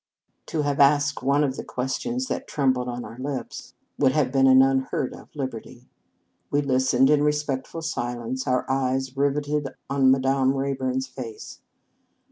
To have asked one of the questions that trembled on our lips 209 In Our Convent Days would have been an unheard of liberty. We listened in respectful silence, our eyes riveted on Madame Rayburn s face.